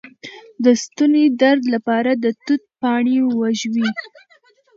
د ستوني درد لپاره د توت پاڼې وژويئ